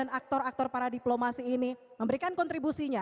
bagaimana diaspora dan aktor aktor para diplomasi ini memberikan kontribusinya